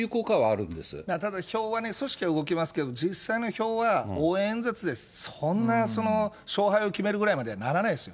ただ、票はね、組織は動きますけど、実際の票は、応援演説でそんな、勝敗を決めるぐらいまではならないです。